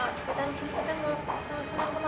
harus duduk nanti selesai epic